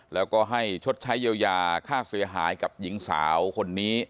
แล้วก็ให้ชดใช้เยียวยาค่าเสียหายกับหญิงสาวคนนี้